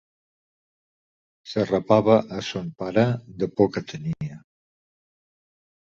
S'arrapava a son pare de por que tenia.